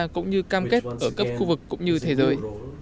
cũng như cam kết ở cấp khu vực cũng như thế giới